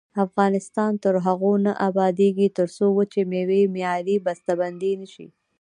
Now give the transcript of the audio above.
افغانستان تر هغو نه ابادیږي، ترڅو وچې میوې معیاري بسته بندي نشي.